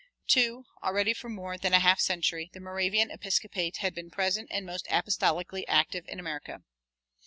2. Already for more than a half century the Moravian episcopate had been present and most apostolically active in America.